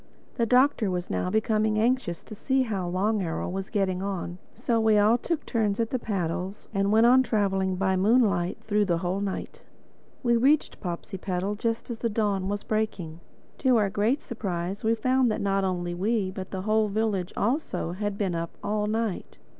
The Doctor was now becoming anxious to see how Long Arrow was getting on, so we all took turns at the paddles and went on traveling by moonlight through the whole night. We reached Popsipetel just as the dawn was breaking. To our great surprise we found that not only we, but the whole village also, had been up all night.